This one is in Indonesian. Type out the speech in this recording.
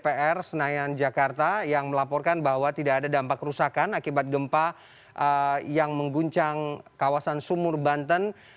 dpr senayan jakarta yang melaporkan bahwa tidak ada dampak kerusakan akibat gempa yang mengguncang kawasan sumur banten